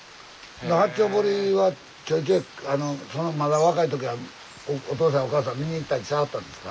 八丁堀はちょいちょいまだ若い時はお父さんお母さん見に行ったりしはったんですか？